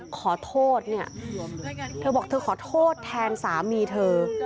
ขอโทษเนี่ยเธอบอกเธอขอโทษแทนสามีเธอ